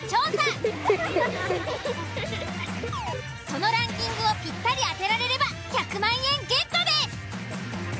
そのランキングをぴったり当てられれば１００万円ゲットです。